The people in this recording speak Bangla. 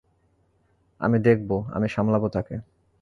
আমি দেখবো, আমি সামলাবো তাকে!